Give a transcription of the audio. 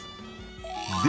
で